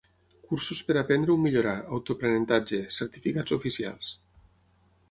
Cursos per aprendre o millorar, autoaprenentatge, certificats oficials...